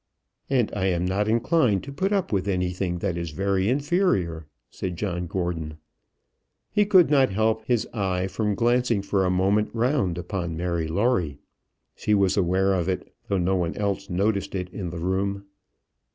"And I am not inclined to put up with anything that is very inferior," said John Gordon. He could not help his eye from glancing for a moment round upon Mary Lawrie. She was aware of it, though no one else noticed it in the room.